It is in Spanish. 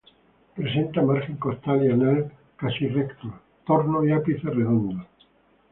Presenta margen costal y anal casi rectos, torno y ápice redondos.